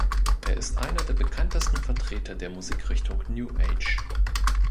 Er ist einer der bekanntesten Vertreter der Musikrichtung New Age.